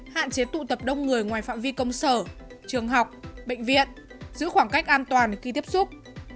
hạn chế tụ tập đông người ngoài phạm vi công sở trường học bệnh viện giữ khoảng cách an toàn khi tiếp xúc